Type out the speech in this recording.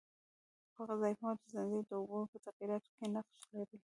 په غذایي موادو ځنځیر او د اوبو په تغییراتو کې نقش لري.